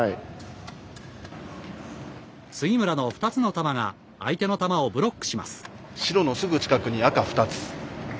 杉村の２つの球が相手の球をブロックします。